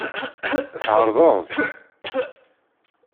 Tɛerḍeḍ-t?